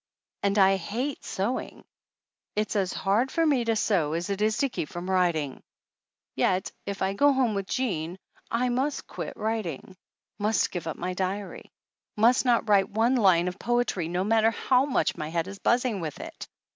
And I hate sewing. It's as hard for roe to sew as it is to keep from writing. Yet if I go home with Jean I must quit writ 251 THE ANNALS OF ANN ing. Must give up my diary. Must not write one line of poetry, no matter how much my head is buzzing with it